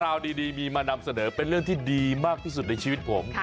ราวดีมีมานำเสนอเป็นเรื่องที่ดีมากที่สุดในชีวิตผม